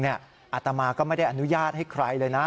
อาตมาก็ไม่ได้อนุญาตให้ใครเลยนะ